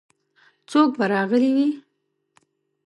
څوک به راغلي وي؟